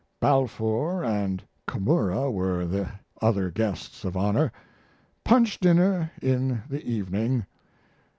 Balfour and Komura were the other guests of honor. Punch dinner in the evening.